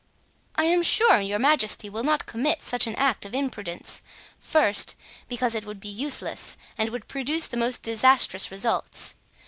"I am sure your majesty will not commit such an act of imprudence, first, because it would be useless and would produce the most disastrous results.